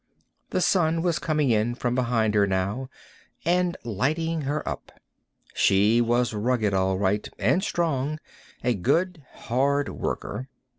The sun was coming in from behind her, now, and lighting her up. She was rugged, all right, and strong: a good hard worker.